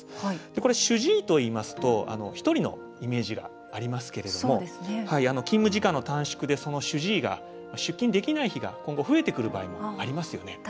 これ主治医といいますと１人のイメージがありますけれども勤務時間の短縮でその主治医が出勤できない日が今後増えてくる場合もありますよね。